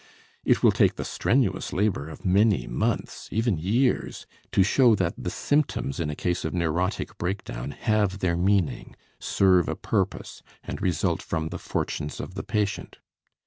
It will take the strenuous labor of many months, even years, to show that the symptoms in a case of neurotic break down have their meaning, serve a purpose, and result from the fortunes of the patient.